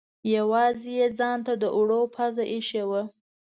یوازې یې ځانته د اوړو پزه اېښې وه.